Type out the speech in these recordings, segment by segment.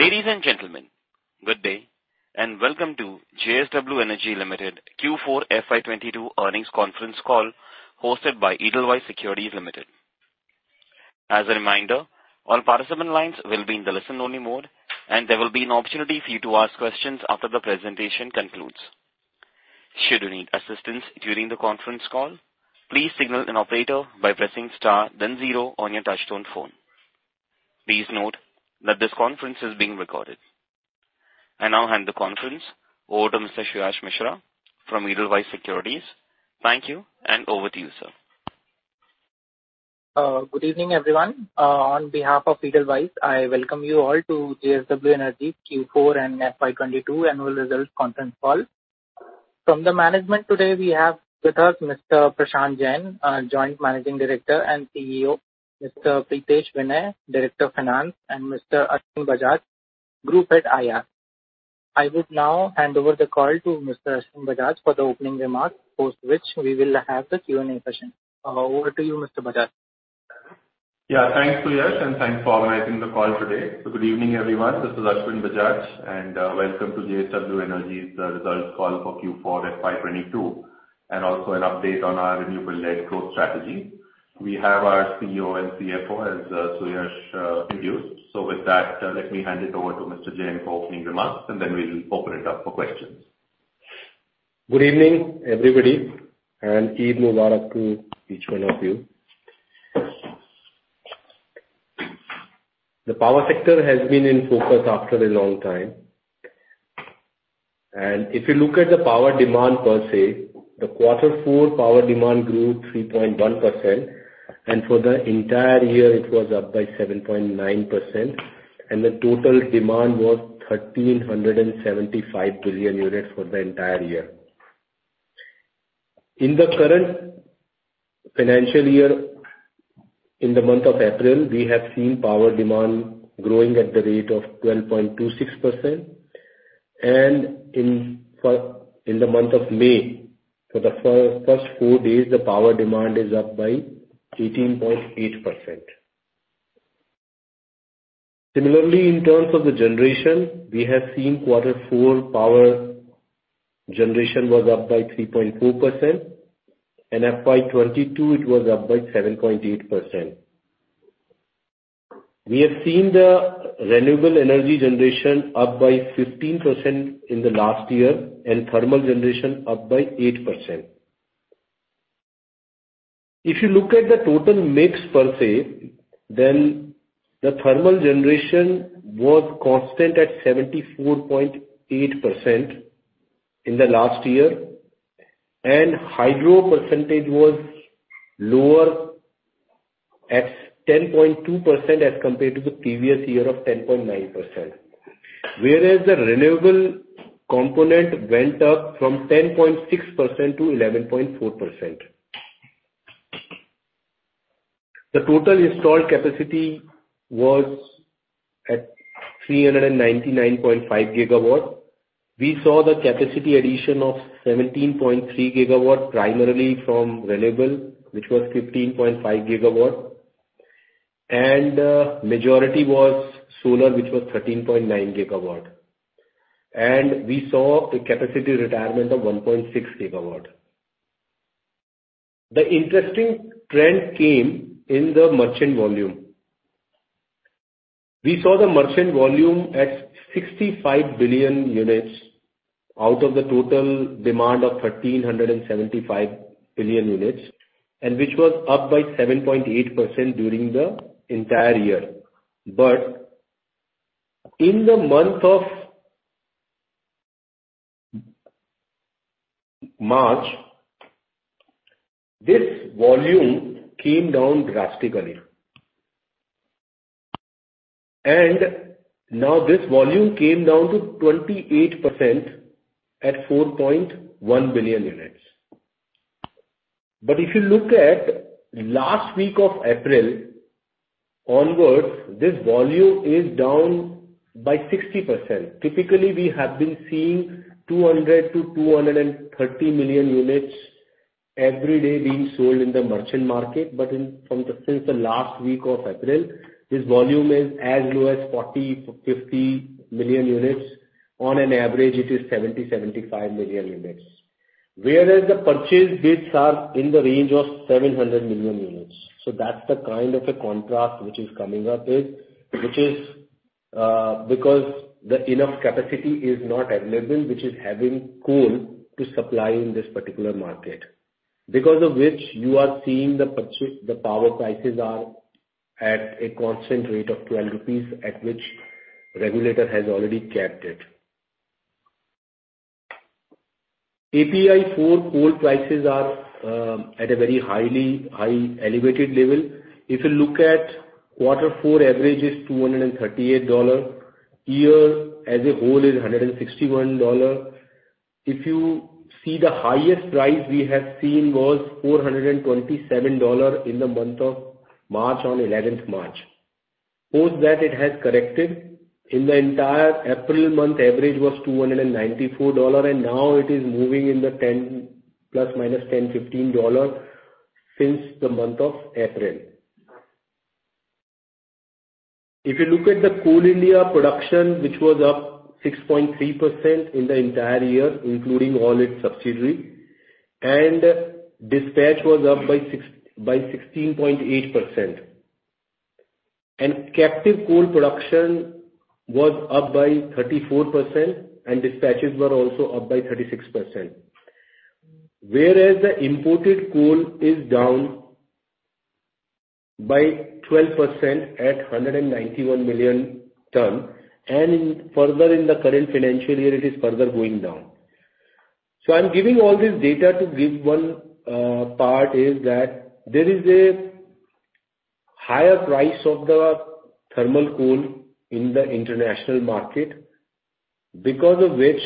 Ladies and gentlemen, good day, and welcome to JSW Energy Limited Q4 FY22 earnings conference call, hosted by Edelweiss Securities Limited. As a reminder, all participant lines will be in the listen-only mode, and there will be an opportunity for you to ask questions after the presentation concludes. Should you need assistance during the conference call, please signal an operator by pressing star then zero on your touchtone phone. Please note that this conference is being recorded. I now hand the conference over to Mr. Suyash Mishra from Edelweiss Securities. Thank you, and over to you, sir. Good evening, everyone. On behalf of Edelweiss, I welcome you all to JSW Energy Q4 and FY 2022 annual results conference call. From the management today we have with us Mr. Prashant Jain, our Joint Managing Director and CEO, Mr. Pritesh Vinay, Director of Finance, and Mr. Ashwin Bajaj, Group Head IR. I would now hand over the call to Mr. Ashwin Bajaj for the opening remarks, post which we will have the Q&A session. Over to you, Mr. Bajaj. Yeah. Thanks, Suyash, and thanks for organizing the call today. Good evening, everyone. This is Ashwin Bajaj, and welcome to JSW Energy's results call for Q4 FY22, and also an update on our renewable-led growth strategy. We have our CEO and CFO, as Suyash introduced. With that, let me hand it over to Mr. Jain for opening remarks, and then we'll open it up for questions. Good evening, everybody, and Eid Mubarak to each one of you. The power sector has been in focus after a long time. If you look at the power demand per se, the Q4 power demand grew 3.1%, and for the entire year it was up by 7.9%. The total demand was 1,375 billion units for the entire year. In the current financial year, in the month of April, we have seen power demand growing at the rate of 12.26%. In the month of May, for the first four days, the power demand is up by 18.8%. Similarly, in terms of the generation, we have seen Q4 power generation was up by 3.4%, and FY 2022 it was up by 7.8%. We have seen the renewable energy generation up by 15% in the last year, and thermal generation up by 8%. If you look at the total mix per se, then the thermal generation was constant at 74.8% in the last year. Hydro percentage was lower at 10.2% as compared to the previous year of 10.9%. Whereas the renewable component went up from 10.6%-11.4%. The total installed capacity was at 399.5 GW. We saw the capacity addition of 17.3 GW, primarily from renewable, which was 15.5 GW. Majority was solar, which was 13.9 GW. We saw a capacity retirement of 1.6 GW. The interesting trend came in the merchant volume. We saw the merchant volume at 65 billion units out of the total demand of 1,375 billion units, which was up by 7.8% during the entire year. In the month of March, this volume came down drastically. Now this volume came down to 28% at 4.1 billion units. If you look at last week of April onwards, this volume is down by 60%. Typically, we have been seeing 200-230 million units every day being sold in the merchant market. Since the last week of April, this volume is as low as 40-50 million units. On average, it is 70-75 million units. Whereas the purchase bids are in the range of 700 million units. That's the kind of a contrast which is coming up with, which is because enough capacity is not available, which is having coal to supply in this particular market. Because of which you are seeing the purchased power prices are at a constant rate of 12 rupees, at which regulator has already capped it. API 4 coal prices are at a very high elevated level. If you look at Q4 average is $238. Year as a whole is $161. If you see the highest price we have seen was $427 in the month of March, on 11th March. After that it has corrected. In the entire April month, average was $294, and now it is moving in the 10, ±10, 15 dollars since the month of April. If you look at the Coal India production, which was up 6.3% in the entire year, including all its subsidiary, and dispatch was up by 16.8%. Captive coal production was up by 34% and dispatches were also up by 36%. Whereas the imported coal is down by 12% at 191 million tons, and further in the current financial year, it is further going down. I'm giving all this data to give one part, is that there is a higher price of the thermal coal in the international market, because of which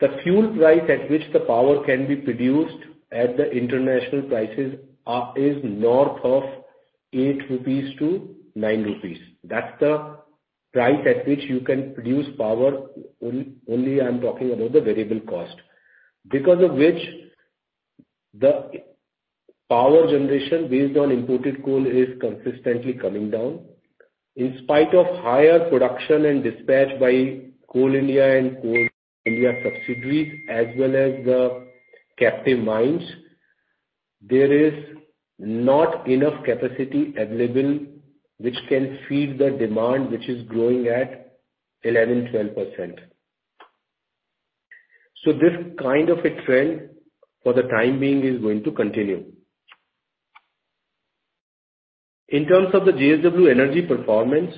the fuel price at which the power can be produced at the international prices are, is north of 8-9 rupees. That's the price at which you can produce power, only I'm talking about the variable cost. Because of which the power generation based on imported coal is consistently coming down. In spite of higher production and dispatch by Coal India and Coal India subsidiaries as well as the captive mines, there is not enough capacity available which can feed the demand, which is growing at 11%, 12%. This kind of a trend for the time being is going to continue. In terms of the JSW Energy performance,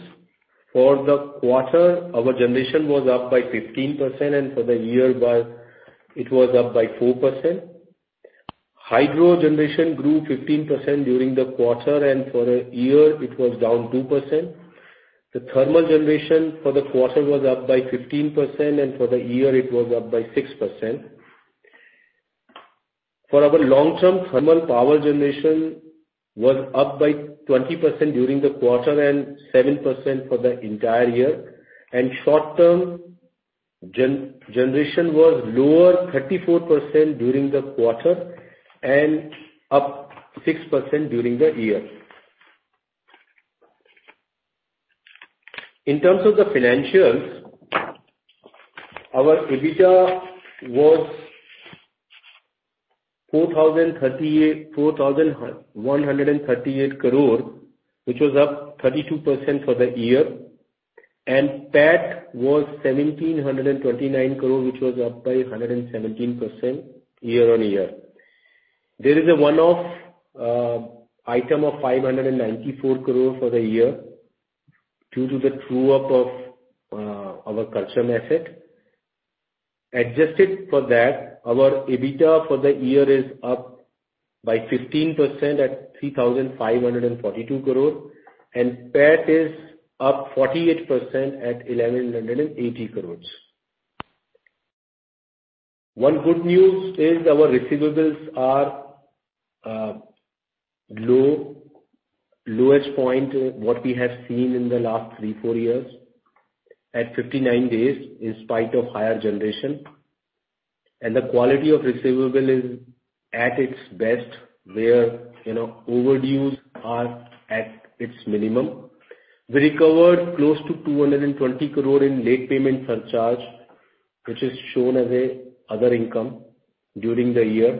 for the quarter, our generation was up by 15% and for the year it was up by 4%. Hydro generation grew 15% during the quarter and for the year it was down 2%. The thermal generation for the quarter was up by 15% and for the year it was up by 6%. For our long-term thermal power generation was up by 20% during the quarter and 7% for the entire year. Short-term generation was lower 34% during the quarter and up 6% during the year. In terms of the financials, our EBITDA was 4,138 crore, which was up 32% for the year, and PAT was 1,729 crore, which was up by 117% year-on-year. There is a one-off item of 594 crore for the year due to the true up of our Karcham Wangtoo. Adjusted for that, our EBITDA for the year is up by 15% at 3,542 crore, and PAT is up 48% at 1,180 crore. One good news is our receivables are low, lowest point what we have seen in the last three, four years at 59 days in spite of higher generation. The quality of receivable is at its best where, you know, overdues are at its minimum. We recovered close to 220 crore in late payment surcharge, which is shown as other income during the year.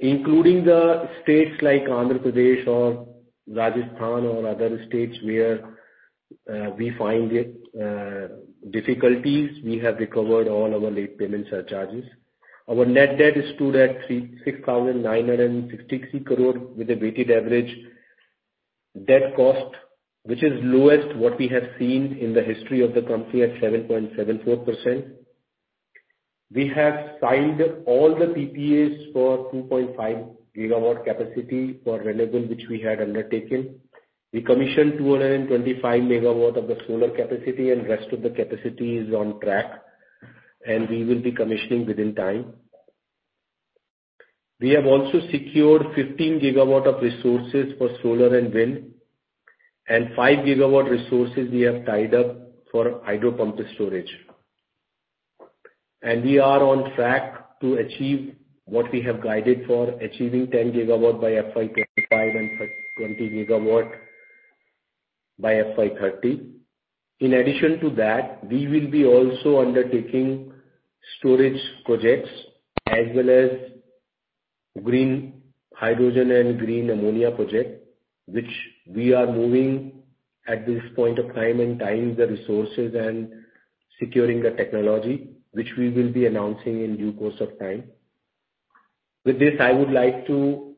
Including the states like Andhra Pradesh or Rajasthan or other states where we find it difficulties, we have recovered all our late payment surcharges. Our net debt stood at 36,963 crore with a weighted average debt cost, which is lowest what we have seen in the history of the company at 7.74%. We have signed all the PPAs for 2.5 GW capacity for renewable, which we had undertaken. We commissioned 225 MW of the solar capacity and rest of the capacity is on track and we will be commissioning within time. We have also secured 15 GW of resources for solar and wind, and 5 GW resources we have tied up for hydro pumped storage. We are on track to achieve what we have guided for achieving 10 GW by FY 2025 and 20 GW by FY 2030. In addition to that, we will be also undertaking storage projects as well as green hydrogen and green ammonia project, which we are moving at this point of time and tying the resources and securing the technology, which we will be announcing in due course of time. With this, I would like to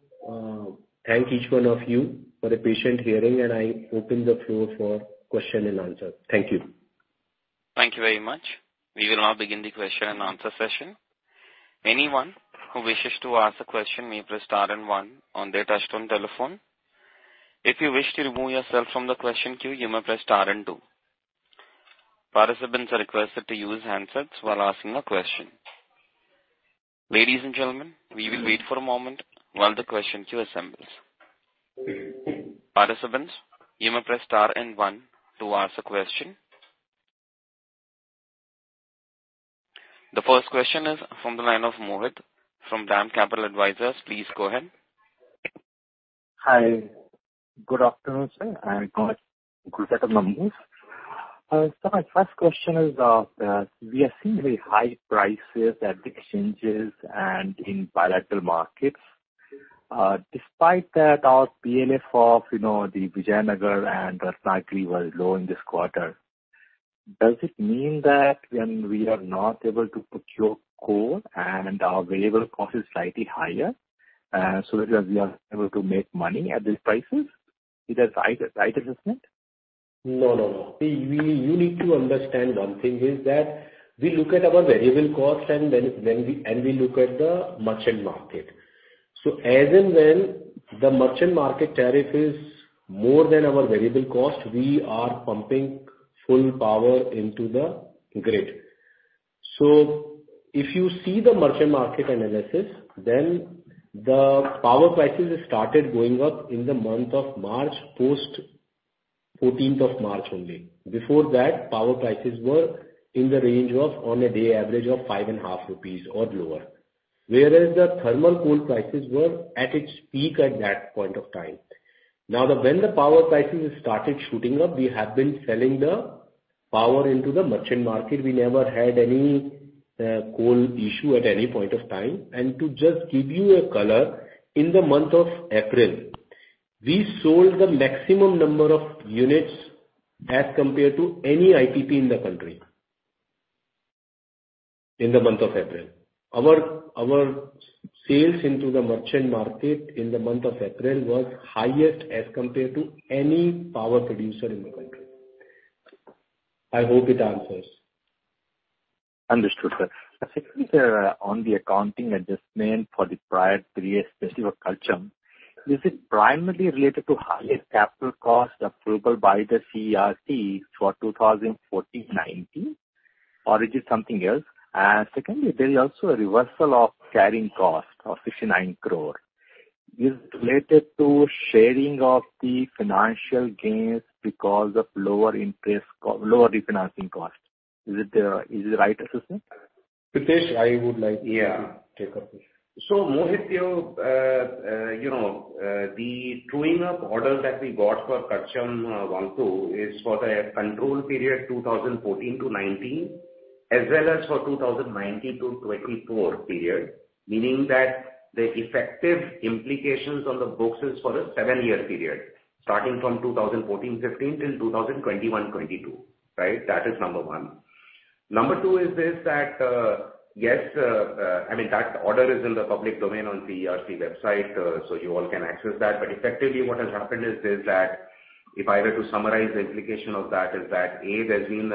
thank each one of you for the patient hearing, and I open the floor for question and answer. Thank you. Thank you very much. We will now begin the question and answer session. The first question is from the line of Mohit from Dam Capital Advisor. Please go ahead. Hi. Good afternoon, sir, and good set of numbers. My 1st question is, we are seeing very high prices at the exchanges and in bilateral markets. Despite that our PLF of, you know, the Vijayanagar and Ratnagiri was low in this quarter. Does it mean that when we are not able to procure coal and our variable cost is slightly higher, so that we are able to make money at these prices? Is that right assessment? No, no. You need to understand one thing is that we look at our variable cost and then we look at the merchant market. As and when the merchant market tariff is more than our variable cost, we are pumping full power into the grid. If you see the merchant market analysis, then the power prices started going up in the month of March, post 14th of March only. Before that, power prices were in the range of, on a day average of 5.5 rupees or lower. Whereas the thermal coal prices were at its peak at that point of time. Now, when the power prices started shooting up, we have been selling the power into the merchant market. We never had any coal issue at any point of time. To just give you a color, in the month of April, we sold the maximum number of units as compared to any IPP in the country. In the month of April. Our sales into the merchant market in the month of April was highest as compared to any power producer in the country. I hope it answers. Understood, sir. Secondly, sir, on the accounting adjustment for the prior three years, specifically for Karcham, is it primarily related to higher capital costs approval by the CERC for 2014-19 or is it something else? Secondly, there is also a reversal of carrying cost of 69 crore. Is it related to sharing of the financial gains because of lower refinancing costs? Is it right assessment? Pritesh, I would like you to. Yeah. Take up this. Mohit, you know, the truing up order that we got for Karcham Wangtoo is for the control period 2014-2019, as well as for 2019-2024 period. Meaning that the effective implications on the books is for a seven-year period, starting from 2014-2015 till 2021-2022, right? That is number one. Number two is that, yes, I mean, that order is in the public domain on CERC website, so you all can access that. Effectively what has happened is that if I were to summarize the implication of that, is that, A, there's been,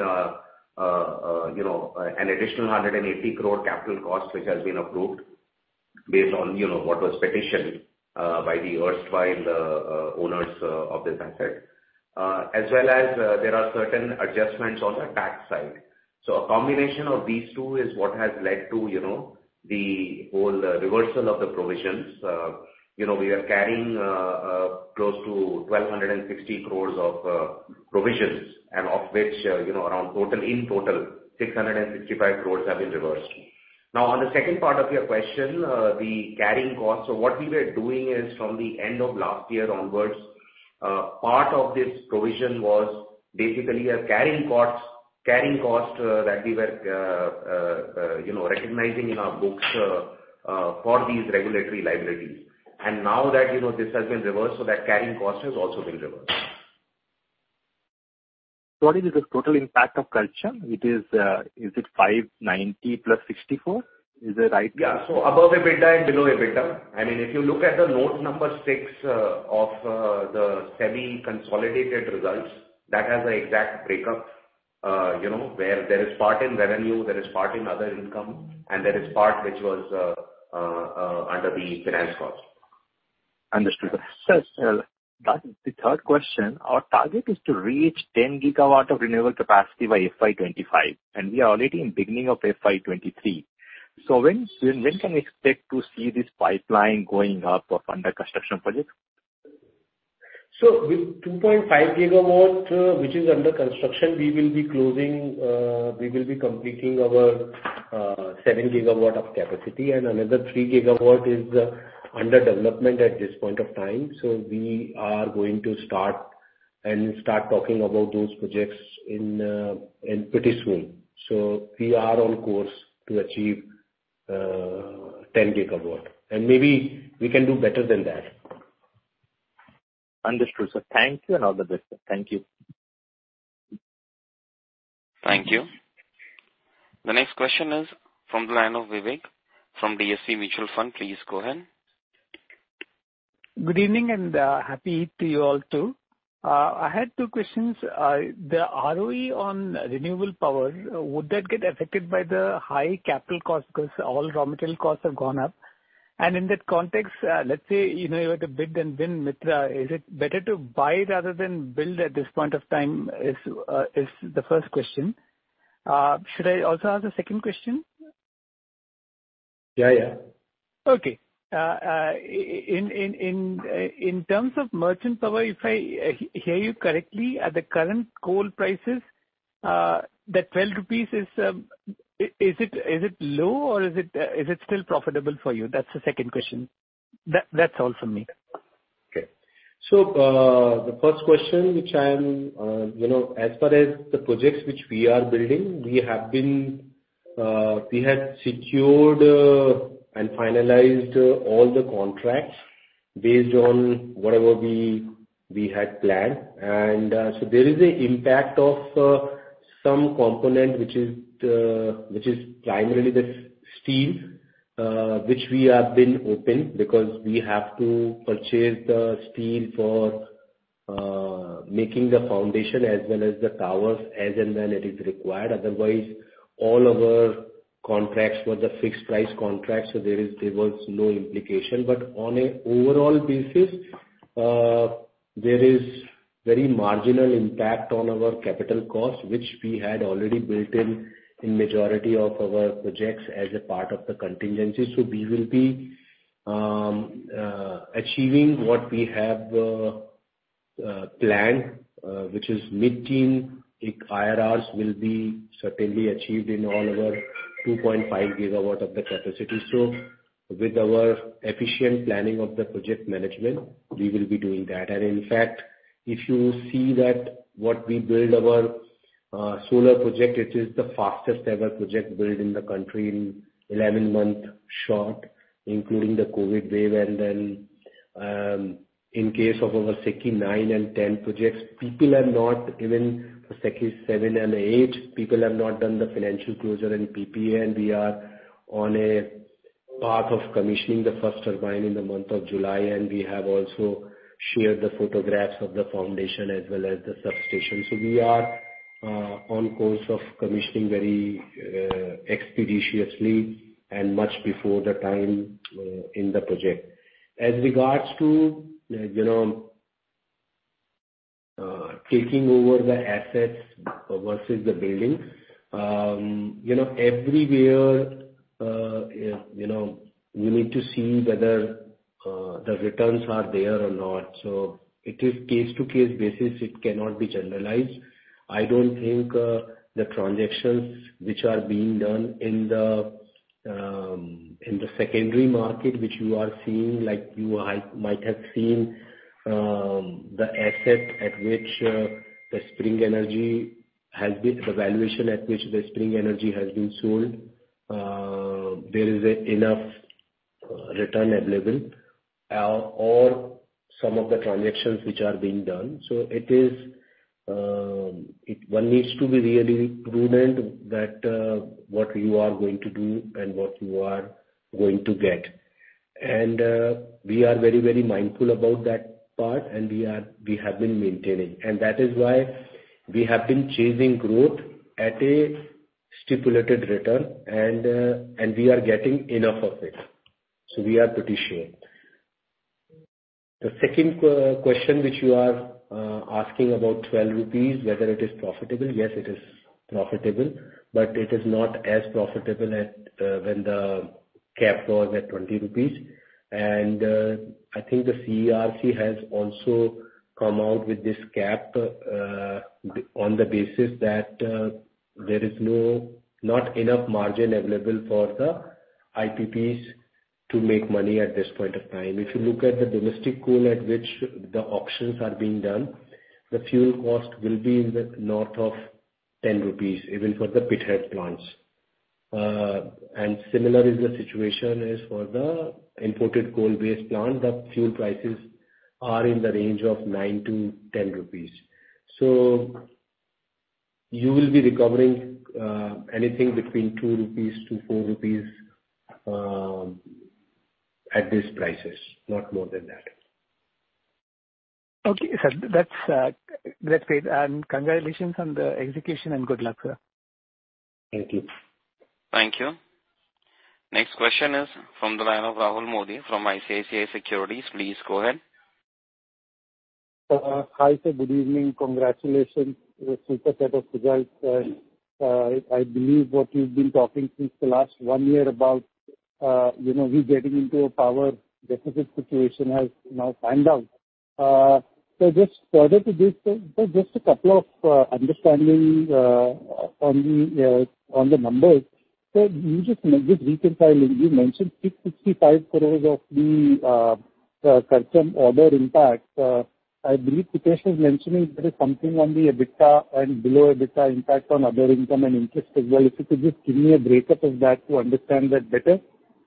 you know, an additional 180 crore capital cost which has been approved based on, you know, what was petitioned by the erstwhile owners of this asset. As well as, there are certain adjustments on the tax side. A combination of these two is what has led to, you know, the whole reversal of the provisions. You know, we are carrying close to 1,260 crores of provisions, and of which, you know, around, in total 665 crores have been reversed. Now, on the second part of your question, the carrying costs. What we were doing is from the end of last year onwards, part of this provision was basically a carrying cost that we were you know recognizing in our books for these regulatory liabilities. Now that you know this has been reversed, so that carrying cost has also been reversed. What is the total impact of Karcham? Is it 590+64? Is that right? Above EBITDA and below EBITDA. I mean, if you look at the note number six of the semi-consolidated results, that has the exact breakup, you know, where there is part in revenue, there is part in other income, and there is part which was under the finance cost. Understood. Sir. The third question. Our target is to reach 10 GW of renewable capacity by FY 2025, and we are already in beginning of FY 2023. When can we expect to see this pipeline going up of under-construction projects? With 2.5 GW, which is under construction, we will be completing our 7 GW of capacity and another 3 GW is under development at this point of time. We are going to start talking about those projects in pretty soon. We are on course to achieve 10 gigawatt. Maybe we can do better than that. Understood, sir. Thank you and all the best, sir. Thank you. Thank you. The next question is from the line of Vivek from DSP Mutual Fund. Please go ahead. Good evening and happy Eid to you all too. I had two questions. The ROE on renewable power, would that get affected by the high capital cost 'cause all raw material costs have gone up? In that context, let's say you know you had to bid and win Mytrah, is it better to buy rather than build at this point of time? Is the 1st question. Should I also ask the second question? Yeah, yeah. Okay. In terms of merchant power, if I hear you correctly, at the current coal prices, that 12 rupees is it low or is it still profitable for you? That's the 2nd question. That's all from me. Okay. The 1st question, which I am you know, as far as the projects which we are building, we had secured and finalized all the contracts based on whatever we had planned. There is an impact of some component which is primarily the steel, which we have been open because we have to purchase the steel for making the foundation as well as the towers as and when it is required. Otherwise, all our contracts were the fixed price contracts, so there was no implication. On an overall basis, there is very marginal impact on our capital costs, which we had already built in in majority of our projects as a part of the contingency. We will be achieving what we have planned, which is mid-teen IRRs will be certainly achieved in all our 2.5 GW of the capacity. With our efficient planning of the project management, we will be doing that. In fact, if you see that what we build our solar project, it is the fastest ever project built in the country in 11 months short, including the COVID wave. In case of our SECI nine and 10 projects, people have not even, for SECI seven and eight, people have not done the financial closure and PPA, and we are on a path of commissioning the first turbine in the month of July, and we have also shared the photographs of the foundation as well as the substation. We are on course for commissioning very expeditiously and much before the time in the project. As regards to, you know, taking over the assets versus the building, you know, everywhere, you know, we need to see whether the returns are there or not. It is case to case basis. It cannot be generalized. I don't think the transactions which are being done in the secondary market, which you are seeing, like you might have seen, the valuation at which the Spring Energy has been sold, there is enough return available or some of the transactions which are being done. It is one needs to be really prudent that what you are going to do and what you are going to get. We are very, very mindful about that part and we have been maintaining. That is why we have been chasing growth at a stipulated return and we are getting enough of it. We are pretty sure. The 2nd question which you are asking about 12 rupees, whether it is profitable, yes, it is profitable, but it is not as profitable as when the cap was at 20 rupees. I think the CERC has also come out with this cap on the basis that there is not enough margin available for the IPPs to make money at this point of time. If you look at the domestic coal at which the auctions are being done, the fuel cost will be in the north of 10 rupees, even for the pit head plants. Similar is the situation as for the imported coal-based plant, the fuel prices are in the range of 9-10 rupees. You will be recovering anything between 2-4 rupees, at these prices, not more than that. Okay, sir. That's great. Congratulations on the execution and good luck, sir. Thank you. Thank you. Next question is from the line of Rahul Mody from ICICI Securities. Please go ahead. Hi, sir. Good evening. Congratulations. Super set of results. I believe what you've been talking since the last one year about, you know, we getting into a power deficit situation has now panned out. Just further to this, sir, just a couple of understanding on the numbers. Just reconciling, you mentioned 655 crores of the current order impact. I believe Pritesh was mentioning there is something on the EBITDA and below EBITDA impact on other income and interest as well. If you could just give me a breakup of that to understand that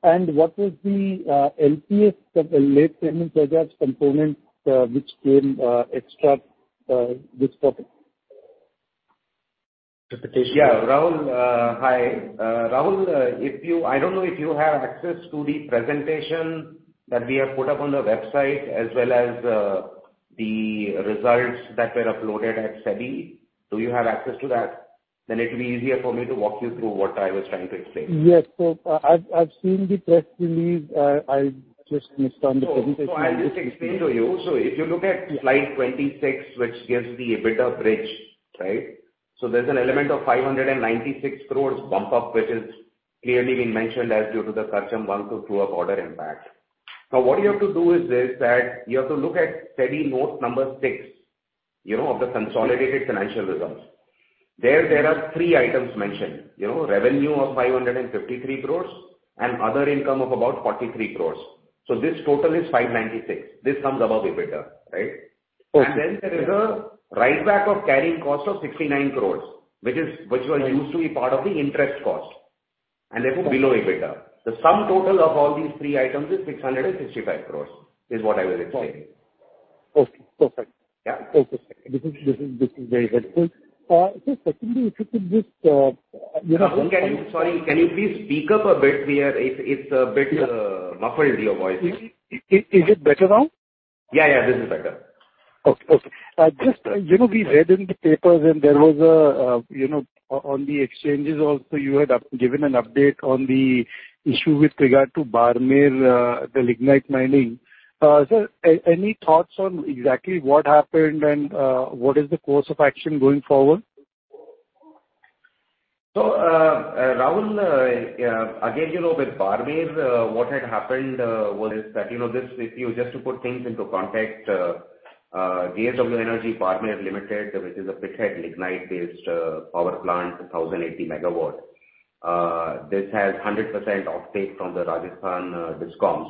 better. What was the LPS, the late payment surcharge component, which came extra this quarter? Yeah. Rahul, hi. Rahul, I don't know if you have access to the presentation that we have put up on the website as well as the results that were uploaded at SEBI. Do you have access to that? Then it'll be easier for me to walk you through what I was trying to explain. Yes. I've seen the press release. I just missed on the presentation. I'll just explain to you. If you look at slide 26, which gives the EBITDA bridge, right? There's an element of 596 crores bump up, which is clearly been mentioned as due to the Karcham Wangtoo true-up order impact. Now, what you have to do is this, that you have to look at Note number six, you know, of the consolidated financial results. There are three items mentioned. You know, revenue of 553 crores and other income of about 43 crores. This total is 596. This comes above EBITDA, right? Okay. Then there is a write back of carrying cost of 69 crores, which was used to be part of the interest cost and therefore below EBITDA. The sum total of all these three items is 665 crores, is what I was explaining. Okay. Perfect. Yeah. Okay. This is very helpful. Sir, secondly if you could just, you know- Rahul, can you please speak up a bit? It's a bit muffled, your voice. Is it better now? Yeah, yeah. This is better. Okay. Just, you know, we read in the papers and there was, you know, on the exchanges also you had given an update on the issue with regard to Barmer, the lignite mining. Sir, any thoughts on exactly what happened and what is the course of action going forward? Rahul, again, you know, with Barmer, what had happened was that, you know, this, if you just to put things into context, JSW Energy (Barmer) Limited, which is a pithead lignite-based power plant, 1,080 MW. This has 100% offtake from the Rajasthan DISCOMs,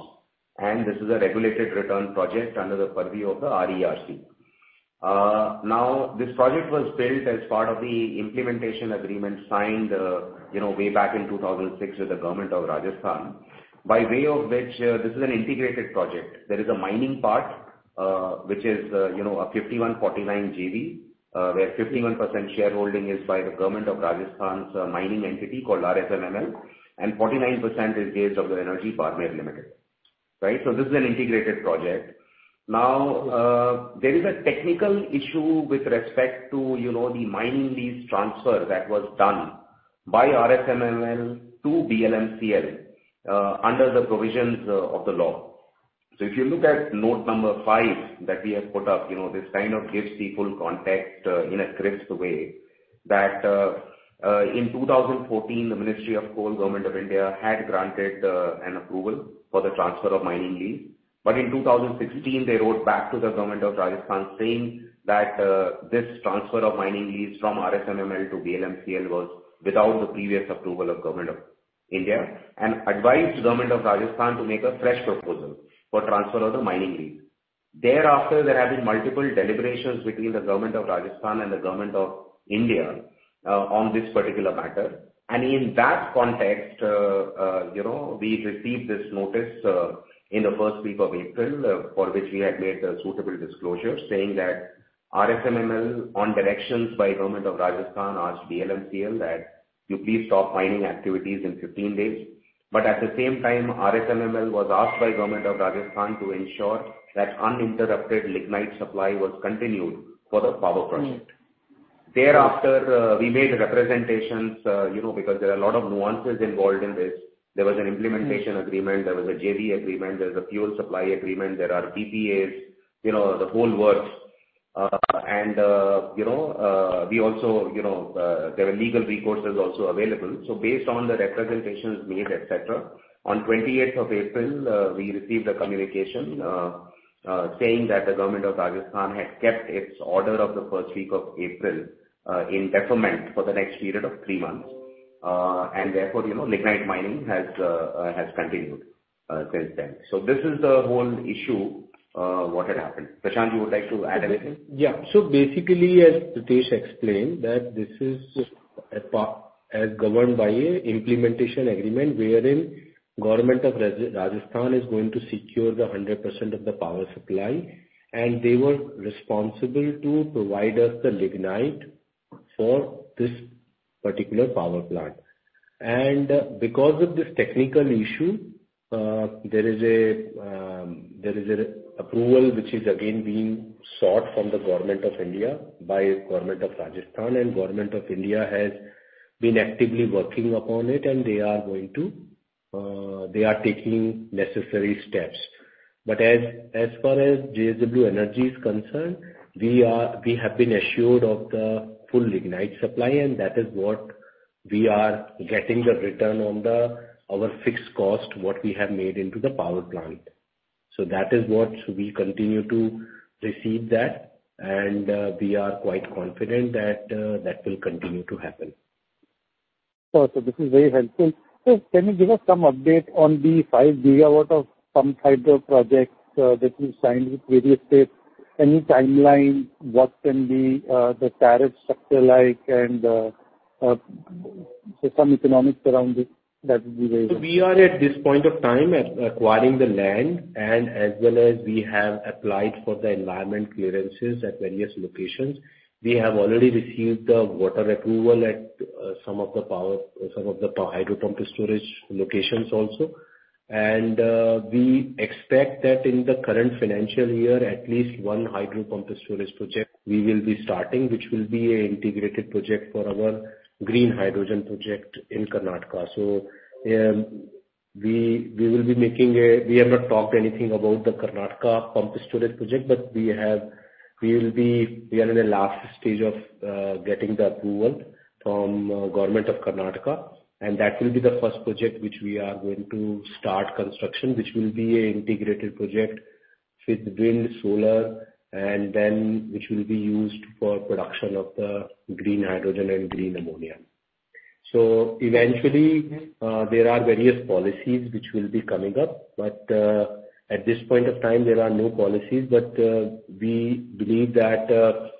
and this is a regulated return project under the purview of the RERC. Now, this project was built as part of the implementation agreement signed, you know, way back in 2006 with the Government of Rajasthan, by way of which, this is an integrated project. There is a mining part, which is, you know, a 51-49 JV, where 51% shareholding is by the Government of Rajasthan's mining entity called RSMML, and 49% is JSW Energy (Barmer) Limited, right? This is an integrated project. Now, there is a technical issue with respect to, you know, the mining lease transfer that was done by RSMML to BLMCL, under the provisions of the law. If you look at note number five that we have put up, you know, this kind of gives people context in a crisp way that, in 2014, the Ministry of Coal, Government of India had granted an approval for the transfer of mining lease. In 2016, they wrote back to the Government of Rajasthan saying that this transfer of mining lease from RSMML to BLMCL was without the previous approval of Government of India. And advised Government of Rajasthan to make a fresh proposal for transfer of the mining lease. Thereafter, there have been multiple deliberations between the Government of Rajasthan and the Government of India on this particular matter. In that context, you know, we received this notice in the first week of April, for which we had made a suitable disclosure saying that RSMML on directions by Government of Rajasthan asked BLMCL that you please stop mining activities in 15 days. At the same time, RSMML was asked by Government of Rajasthan to ensure that uninterrupted lignite supply was continued for the power project. Mm-hmm. Thereafter, we made representations, you know, because there are a lot of nuances involved in this. There was an implementation agreement, there was a JV agreement, there's a fuel supply agreement, there are PPAs, you know, the whole works. You know, we also, you know, there are legal recourses also available. Based on the representations made, et cetera, on 28th of April, we received a communication, saying that the Government of Rajasthan had kept its order of the first week of April, in deferment for the next period of three months. Therefore, you know, lignite mining has continued, since then. This is the whole issue, what had happened. Prashant, you would like to add anything? Yeah. Basically, as Pritesh explained, this is a PPA as governed by an implementation agreement wherein Government of Rajasthan is going to secure the 100% of the power supply, and they were responsible to provide us the lignite for this particular power plant. Because of this technical issue, there is an approval which is again being sought from the Government of India by Government of Rajasthan. Government of India has been actively working upon it, and they are taking necessary steps. As far as JSW Energy is concerned, we have been assured of the full lignite supply and that is what we are getting the return on our fixed cost, what we have made into the power plant. That is what we continue to receive, and we are quite confident that that will continue to happen. Sure. This is very helpful. Sir, can you give us some update on the 5 GW of some hydro projects that you signed with various states? Any timeline? What can be the tariff structure like and so some economics around it? That would be very helpful. We are at this point of time at acquiring the land, and as well as we have applied for the environmental clearances at various locations. We have already received the water approval at some of the power, some of the hydro pumped storage locations also. We expect that in the current financial year, at least one hydro pumped storage project we will be starting, which will be an integrated project for our green hydrogen project in Karnataka. We have not talked anything about the Karnataka pumped storage project, but we are in the last stage of getting the approval from Government of Karnataka, and that will be the 1st project which we are going to start construction, which will be a integrated project with wind, solar, and then which will be used for production of the green hydrogen and green ammonia. Eventually, there are various policies which will be coming up, but at this point of time, there are no policies. We believe that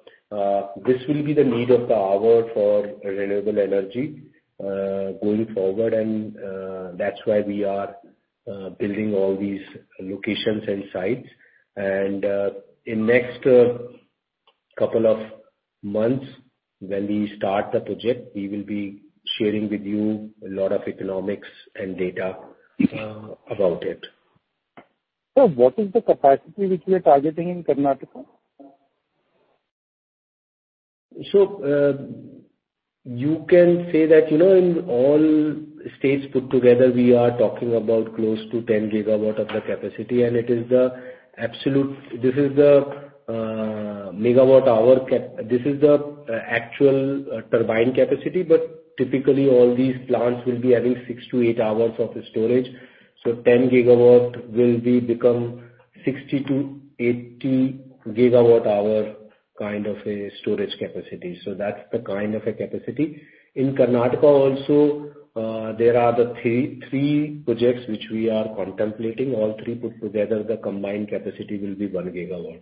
this will be the need of the hour for renewable energy going forward and that's why we are building all these locations and sites. In next couple of months when we start the project, we will be sharing with you a lot of economics and data about it. What is the capacity which we are targeting in Karnataka? You can say that, you know, in all states put together, we are talking about close to 10 GW of the capacity. This is the MWh cap. This is the actual turbine capacity. Typically, all these plants will be having 6-8 hours of storage. 10 GW will be become 60-80 GWh kind of a storage capacity, so that's the kind of a capacity. In Karnataka also, there are three projects which we are contemplating. All three put together, the combined capacity will be 1 GW.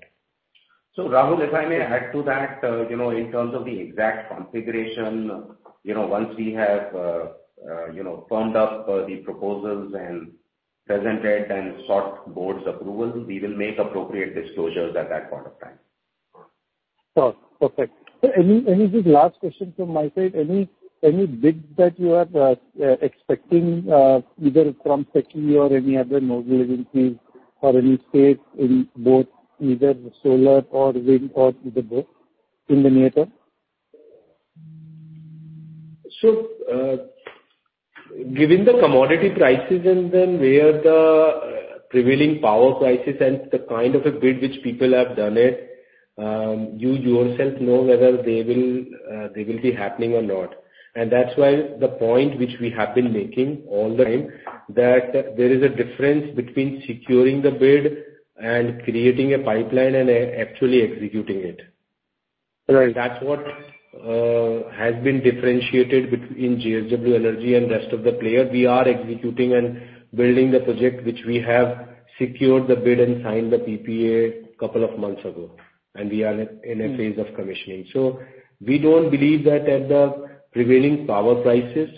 Rahul, if I may add to that, you know, in terms of the exact configuration, you know, once we have, you know, firmed up the proposals and presented and sought board's approval, we will make appropriate disclosures at that point of time. Sure. Perfect. Just last question from my side. Any bids that you are expecting, either from SECI or any other renewable agencies or any space in both either solar or wind or either both in the near term? Given the commodity prices and then where the prevailing power prices and the kind of a bid which people have done it, you yourself know whether they will be happening or not. That's why the point which we have been making all the time, that there is a difference between securing the bid and creating a pipeline and actually executing it. Right. That's what has been differentiated between JSW Energy and rest of the players. We are executing and building the project which we have secured the bid and signed the PPA couple of months ago, and we are in a phase of commissioning. We don't believe that at the prevailing power prices,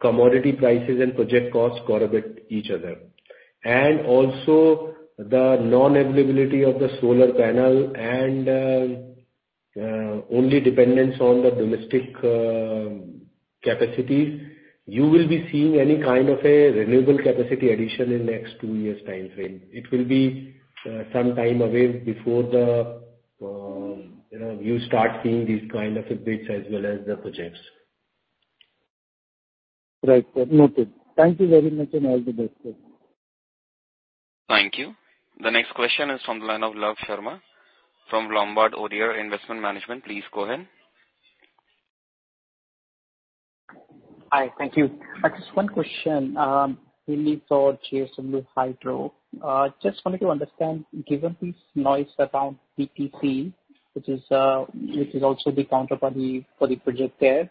commodity prices, and project costs correlate each other. Also the non-availability of the solar panels and only dependence on the domestic capacities, you will be seeing any kind of a renewable capacity addition in next two years timeframe. It will be some time away before you start seeing these kind of bids as well as the projects. Right, sir. Noted. Thank you very much, and all the best. Thank you. The next question is from the line of Love Sharma from Lombard Odier Investment Managers. Please go ahead. Hi. Thank you. I just one question, mainly for JSW Hydro. Just wanted to understand, given this noise around PTC, which is also the counterparty for the project there,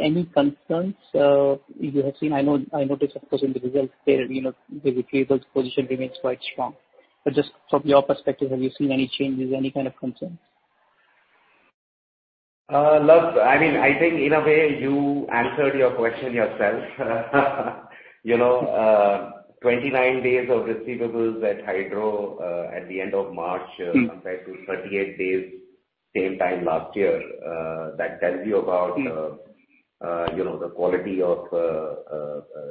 any concerns you have seen? I noticed, of course, in the results there, you know, the receivables position remains quite strong. But just from your perspective, have you seen any changes, any kind of concerns? Love, I mean, I think in a way you answered your question yourself. You know, 29 days of receivables at Hydro at the end of March. Mm. Compared to 38 days same time last year, that tells you about- Mm. You know, the quality of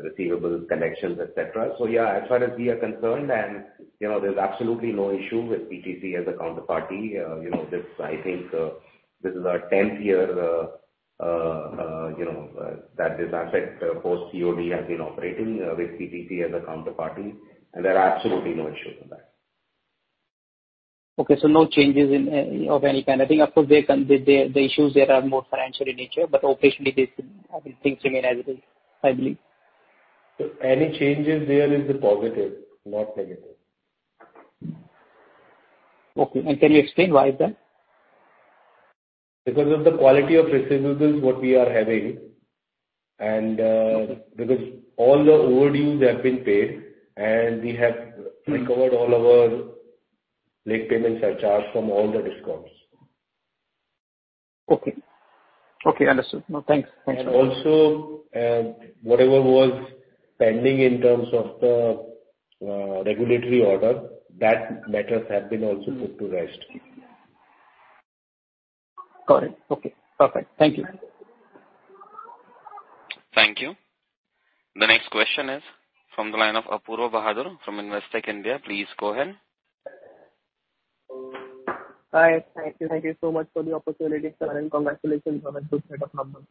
receivables, collections, et cetera. Yeah, as far as we are concerned, and you know, there's absolutely no issue with PTC as a counterparty. You know, this, I think, is our tenth year that this asset post COD has been operating with PTC as a counterparty, and there are absolutely no issues with that. Okay, no changes in, of any kind. I think of course they can. The issues there are more financial in nature, but operationally this, I mean, things remain as it is, I believe. Any changes there is a positive, not negative. Okay. Can you explain why is that? Because of the quality of receivables, what we are having, and. Okay. Because all the overdues have been paid, and we have recovered all our late payments and charges from all the discounts. Okay. Okay, understood. No, thanks. Also, whatever was pending in terms of the regulatory order, that matters have been also put to rest. Got it. Okay, perfect. Thank you. Thank you. The next question is from the line of Apoorva Bahadur from Investec India. Please go ahead. Hi. Thank you. Thank you so much for the opportunity, sir, and congratulations on a good set of numbers.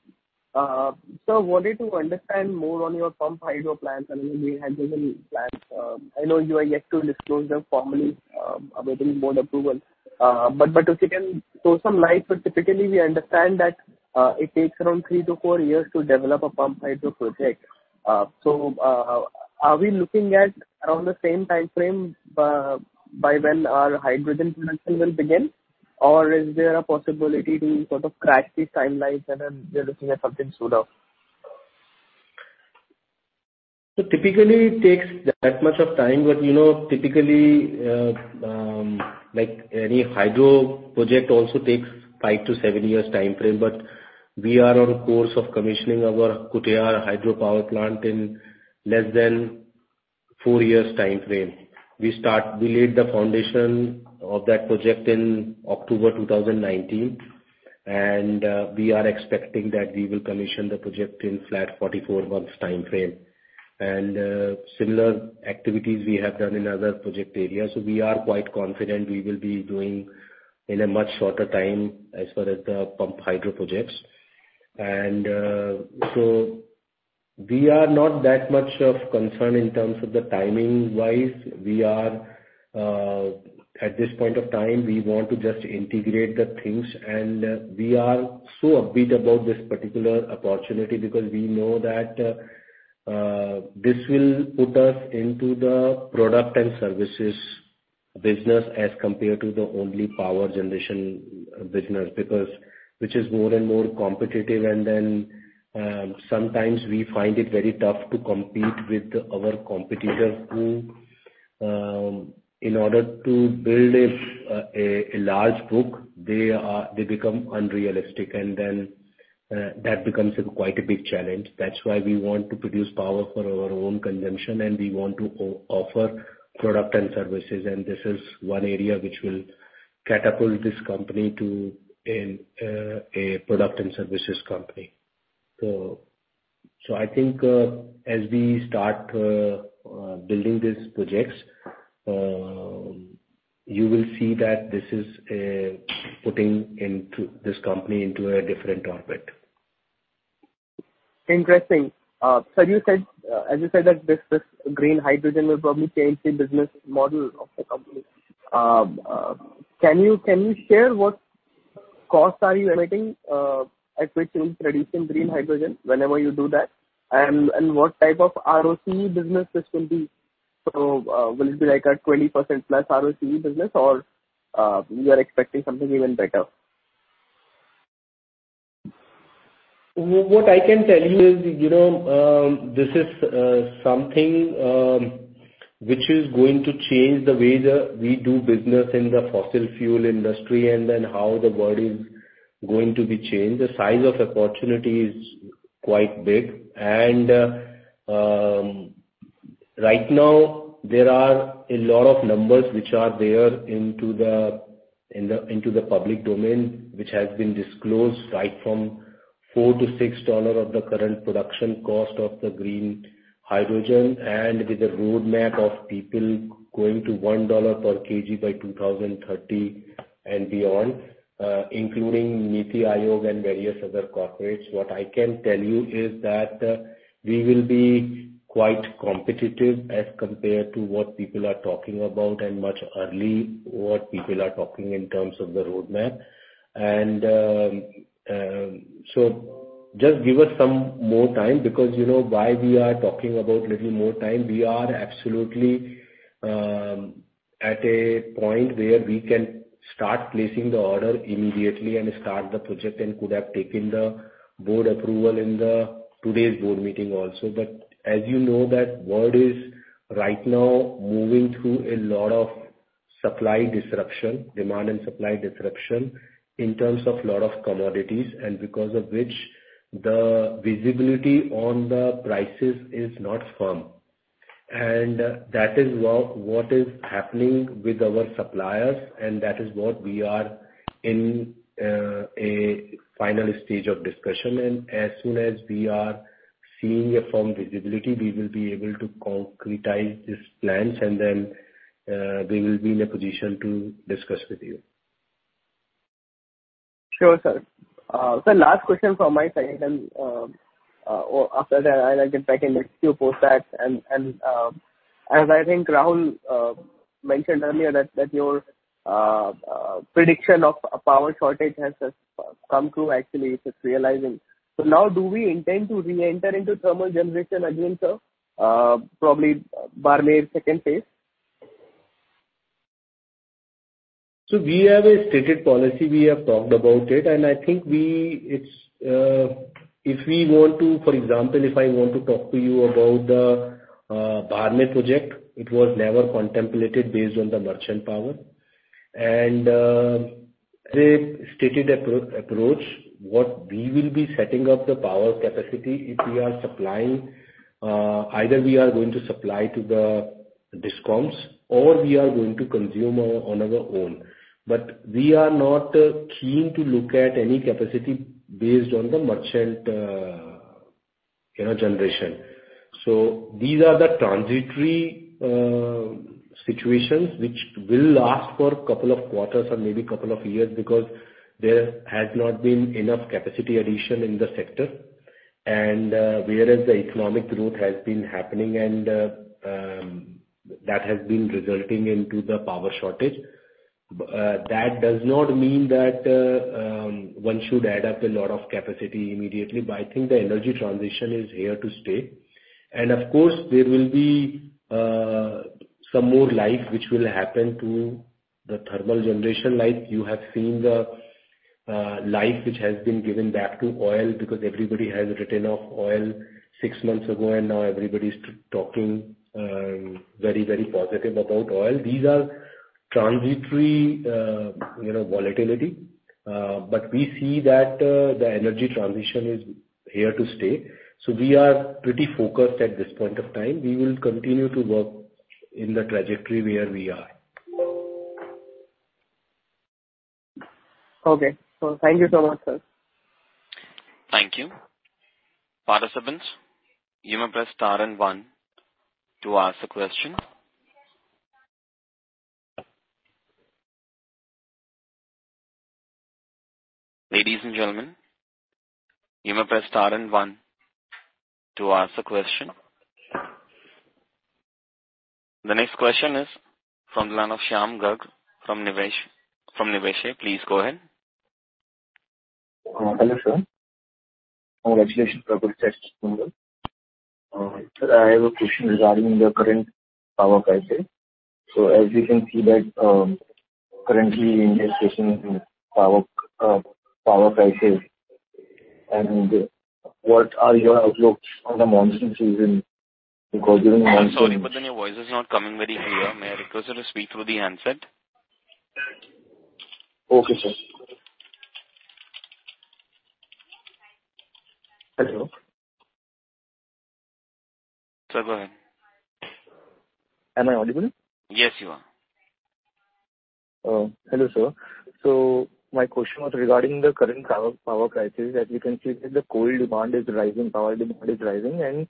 Wanted to understand more on your pumped hydro plants and the green hydrogen plants. I know you are yet to disclose them formally, awaiting board approval, if you can throw some light. Typically we understand that it takes around three to four years to develop a pumped hydro project. Are we looking at around the same timeframe by when our hydrogen production will begin? Or is there a possibility to sort of crash these timelines and then we are looking at something sooner? Typically it takes that much of time, but, you know, typically, like any hydro project also takes five to seven years timeframe, but we are on course of commissioning our Kutehr hydropower plant in less than four years timeframe. We laid the foundation of that project in October 2019, and we are expecting that we will commission the project in flat 44 months timeframe. Similar activities we have done in other project areas. We are quite confident we will be doing in a much shorter time as far as the pumped hydro projects. We are not that much of concern in terms of the timing wise. We are, at this point of time, we want to just integrate the things. We are so upbeat about this particular opportunity because we know that this will put us into the product and services business as compared to the only power generation business because which is more and more competitive. Sometimes we find it very tough to compete with our competitors who in order to build a large book, they become unrealistic. That becomes quite a big challenge. That's why we want to produce power for our own consumption, and we want to offer product and services. This is one area which will catapult this company to a product and services company. I think as we start building these projects, you will see that this is putting this company into a different orbit. Interesting. Sir, you said as you said that this green hydrogen will probably change the business model of the company. Can you share what cost are you awaiting at which you will produce some green hydrogen whenever you do that? What type of ROCE business this will be? Will it be like a 20%+ ROCE business or you are expecting something even better? What I can tell you is, you know, this is something which is going to change the way that we do business in the fossil fuel industry and then how the world is going to be changed. The size of opportunity is quite big. Right now there are a lot of numbers which are there in the public domain, which has been disclosed right from $4-$6 of the current production cost of the green hydrogen, and with a roadmap of people going to $1 per kg by 2030 and beyond, including NITI Aayog and various other corporates. What I can tell you is that we will be quite competitive as compared to what people are talking about and much early what people are talking in terms of the roadmap. Just give us some more time because, you know, why we are talking about little more time, we are absolutely at a point where we can start placing the order immediately and start the project and could have taken the board approval in today's board meeting also. As you know that world is right now moving through a lot of supply disruption, demand and supply disruption in terms of lot of commodities and because of which the visibility on the prices is not firm. That is what is happening with our suppliers, and that is what we are in a final stage of discussion. As soon as we are seeing a firm visibility, we will be able to concretize these plans and then we will be in a position to discuss with you. Sure, sir. Sir, last question from my side and, after that I can take next few calls after that. As I think Rahul mentioned earlier that your prediction of power shortage has come through actually it is realizing. Now do we intend to reenter into thermal generation again, sir? Probably Barmer 2nd phase. We have a stated policy, we have talked about it. I think it's, if we want to, for example, if I want to talk to you about the Barmer project, it was never contemplated based on the merchant power. As a stated approach, what we will be setting up the power capacity, if we are supplying, either we are going to supply to the DISCOMs or we are going to consume on our own. We are not keen to look at any capacity based on the merchant, you know, generation. These are the transitory situations which will last for couple of quarters or maybe couple of years because there has not been enough capacity addition in the sector. Whereas the economic growth has been happening and, that has been resulting into the power shortage. That does not mean that one should add up a lot of capacity immediately, but I think the energy transition is here to stay. Of course, there will be some more life which will happen to the thermal generation life. You have seen the life which has been given back to oil because everybody has written off oil six months ago, and now everybody's talking very, very positive about oil. These are transitory, you know, volatility. We see that the energy transition is here to stay. We are pretty focused at this point of time. We will continue to work in the trajectory where we are. Okay. Thank you so much, sir. Thank you. The next question is from the line of Shyam Garg from Nivesh. Please go ahead. Hello, sir. Congratulations for a good Q1. Sir, I have a question regarding the current power crisis. Currently India is facing power crisis. What are your outlooks on the monsoon season because during monsoon? I'm sorry, but then your voice is not coming very clear. May I request you to speak through the handset? Okay, sir. Hello. Sir, go ahead. Am I audible? Yes, you are. Hello sir. My question was regarding the current power crisis. As you can see that the coal demand is rising, power demand is rising.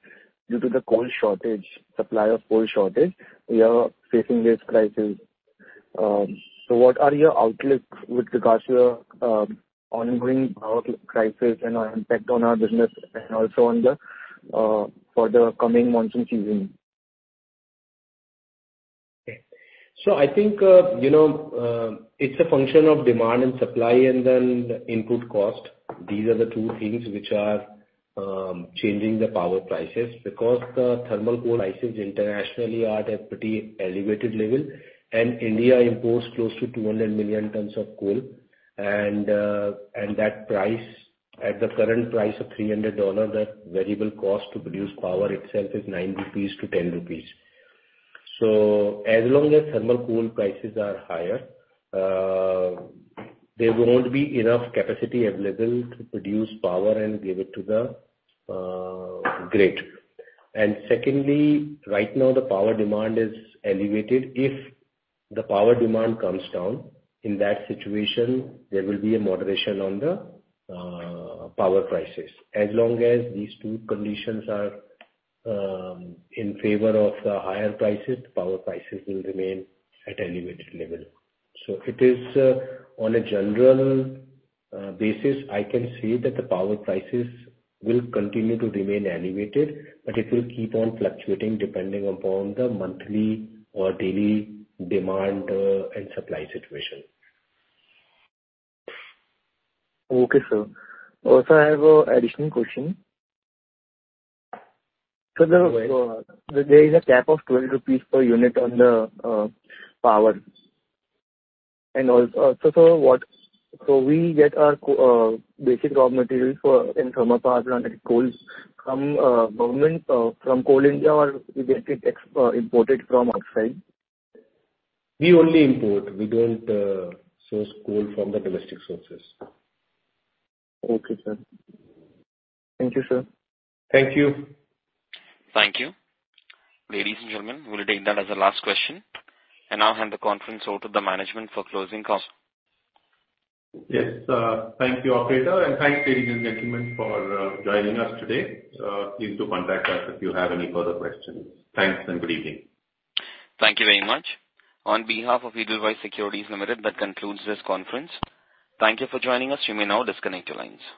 Due to the coal shortage, we are facing this crisis. What are your outlooks with regards to the ongoing power crisis and impact on our business and also for the coming monsoon season? I think, you know, it's a function of demand and supply and then input cost. These are the two things which are changing the power prices. Because the thermal coal prices internationally are at a pretty elevated level, and India imports close to 200 million tons of coal. That price, at the current price of $300, the variable cost to produce power itself is 9-10 rupees. As long as thermal coal prices are higher, there won't be enough capacity available to produce power and give it to the grid. Secondly, right now the power demand is elevated. If the power demand comes down, in that situation there will be a moderation on the power prices. As long as these two conditions are in favor of the higher prices, power prices will remain at elevated level. It is on a general basis, I can say that the power prices will continue to remain elevated, but it will keep on fluctuating depending upon the monthly or daily demand and supply situation. Okay, sir. Also, I have an additional question. Yes. There is a cap of 12 rupees per unit on the power. We get our basic raw materials for in thermal power plants like coal from government from Coal India or we get it imported from outside? We only import. We don't source coal from the domestic sources. Okay, sir. Thank you, sir. Thank you. Thank you. Ladies and gentlemen, we'll take that as the last question, and I'll hand the conference over to the management for closing comments. Yes. Thank you, operator, and thanks ladies and gentlemen for joining us today. Please do contact us if you have any further questions. Thanks and good evening. Thank you very much. On behalf of Edelweiss Securities Limited, that concludes this conference. Thank you for joining us. You may now disconnect your lines.